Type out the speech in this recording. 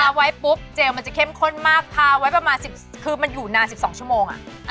เอาไว้ปุ๊บเจลมันจะเข้มข้นมากทาไว้ประมาณ๑๐คือมันอยู่นาน๑๒ชั่วโมง